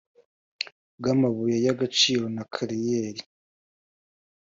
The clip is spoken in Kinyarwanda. bw amabuye y agaciro na kariyeri